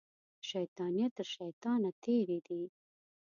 په شیطانیه تر شیطانه تېرې دي